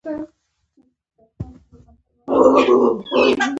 افغانستان د چرګانو د ترویج لپاره پروګرامونه لري.